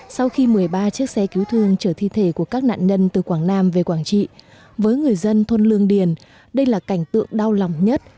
sau khi một mươi ba chiếc xe cứu thương trở thi thể của các nạn nhân từ quảng nam về quảng trị với người dân thôn lương điền đây là cảnh tượng đau lòng nhất